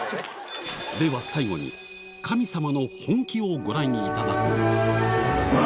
では最後に神様の本気をご覧いただこう全然違うわ！